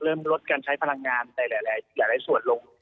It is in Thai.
ลดการใช้พลังงานในหลายส่วนลง